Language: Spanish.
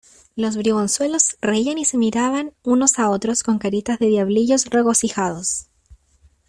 Los bribonzuelos reían y se miraban unos a otros con caritas de diablillos regocijados.